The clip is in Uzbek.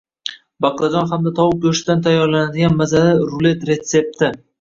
Baqlajon hamda tovuq go‘shtidan tayyorlanadigan mazali rulet retsepti